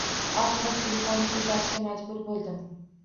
Oxiri telefonni ko'tarishga majbur bo'ldim